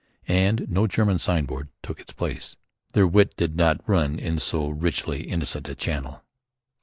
And no German signboard took its place. Their wit did not run in so richly innocent a channel.